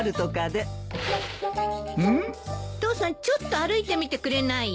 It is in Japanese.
父さんちょっと歩いてみてくれない？